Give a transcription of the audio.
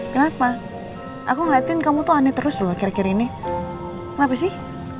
kenapa aku ngeliatin kamu tuh aneh terus lho kira kira ini kenapa sih